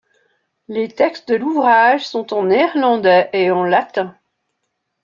Les textes de l'ouvrage sont en néerlandais et en latin.